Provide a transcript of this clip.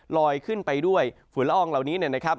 ลอยขึ้นไปด้วยฝุ่นละอองเหล่านี้เนี่ยนะครับ